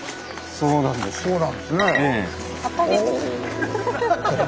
そうなんですね。